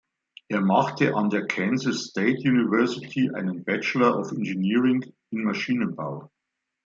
Er machte an der Kansas State University einen Bachelor of Engineering in Maschinenbau.